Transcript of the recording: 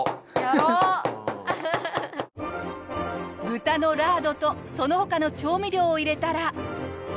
豚のラードとその他の調味料を入れたら。